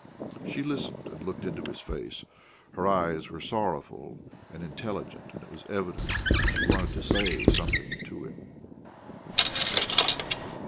She listened and looked into his face; her eyes were sorrowful and intelligent, and it was evident she wanted to say something to him.